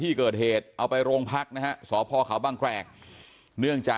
ที่เกิดเกิดเหตุอยู่หมู่๖บ้านน้ำผู้ตะมนต์ทุ่งโพนะครับที่เกิดเกิดเหตุอยู่หมู่๖บ้านน้ำผู้ตะมนต์ทุ่งโพนะครับ